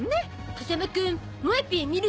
風間くん『もえＰ』見るの？